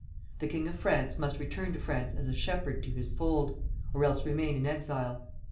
The king of France must return to France as a shepherd to his fold, or else remain in exile.